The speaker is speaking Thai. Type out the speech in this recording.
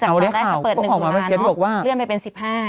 แต่วันแรกก็เปิดหนึ่งตุลาเนอะเลื่อนไปเป็นสิบห้า